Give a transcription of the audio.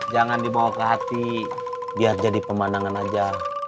jangan dibawa ke hati biar jadi pemandangan aja